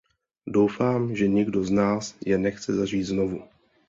Doufám, že nikdo z nás je nechce zažít znovu.